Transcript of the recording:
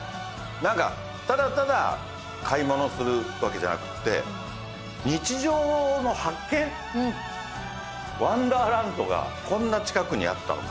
何かただただ買い物するわけじゃなくって日常の発見ワンダーランドがこんな近くにあったのか。